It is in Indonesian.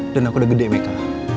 dan aku udah gede mika